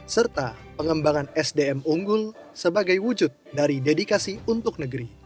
serta pengembangan sdm unggul sebagai wujud dari dedikasi untuk negeri